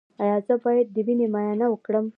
ایا زه باید د وینې معاینه وکړم؟